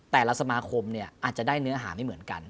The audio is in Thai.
แต่ละสมาคมอาจจะได้เนื้อหาไม่เหมือนกัน